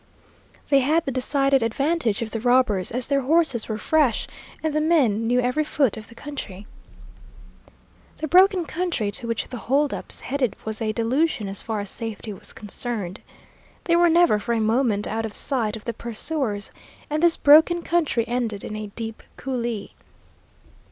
They had the decided advantage of the robbers, as their horses were fresh, and the men knew every foot of the country. "The broken country to which the hold ups headed was a delusion as far as safety was concerned. They were never for a moment out of sight of the pursuers, and this broken country ended in a deep coulee.